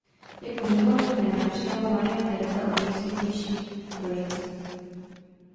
Jako řeholní jméno přijala Maria Teresa od Nejsvětější Trojice.